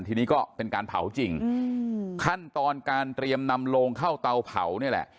ทีนี้ก็เป็นการเผาจริงขั้นตอนการเตรียมนำโลงเข้าเตาเผานี่แหละ